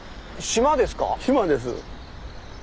島です。